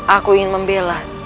aku ingin membela